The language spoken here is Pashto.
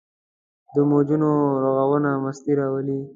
د موجونو ږغونه مستي راولي.